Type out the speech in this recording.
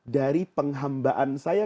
dari penghambaan saya